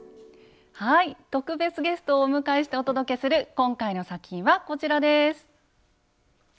はい特別ゲストをお迎えしてお届けする今回の作品はこちらです！